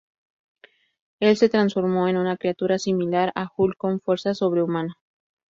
Él se transformó en una criatura similar a Hulk con fuerza sobrehumana.